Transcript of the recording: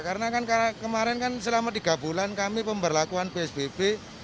karena kan kemarin kan selama tiga bulan kami pemberlakuan psbb